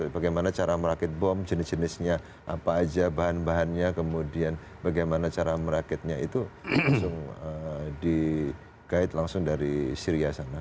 bagaimana cara merakit bom jenis jenisnya apa aja bahan bahannya kemudian bagaimana cara merakitnya itu langsung di guide langsung dari syria sana